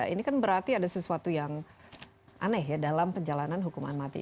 ini kan berarti ada sesuatu yang aneh ya dalam perjalanan hukuman mati